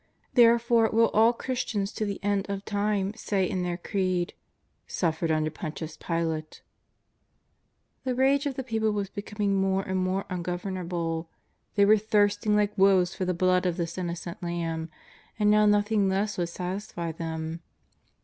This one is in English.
Therefore will all Chris tians to the end of time say in their Creed: '' suffered under Pontius Pilate." The rage of the people was becoming more and more ungovernable ; they were thirsting like wolves for the blood of this innocent Lamb, and now nothing less would satisfy them.